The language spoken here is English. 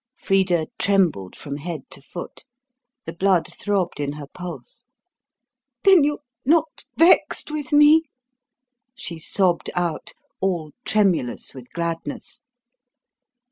Frida trembled from head to foot. The blood throbbed in her pulse. "Then you're not vexed with me," she sobbed out, all tremulous with gladness.